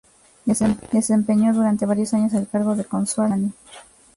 Desempeñó durante varios años el cargo de cónsul de Alemania.